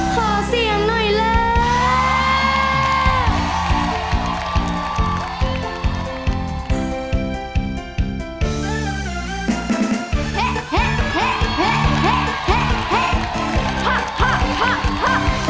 สวัสดีครับ